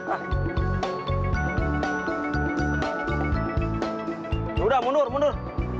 yaudah mundur mundur